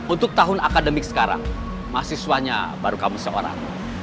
untuk tahun akademik sekarang mahasiswanya baru kamu seorang